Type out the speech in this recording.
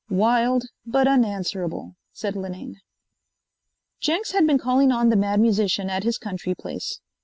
"Wild, but unanswerable," said Linane. Jenks had been calling on the Mad Musician at his country place.